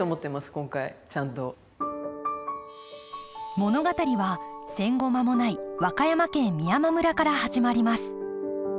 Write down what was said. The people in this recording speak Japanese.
物語は戦後間もない和歌山県美山村から始まります。